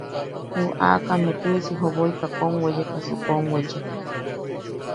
Ju aakame tuʼisi joboika kom weyekasu kom wechek.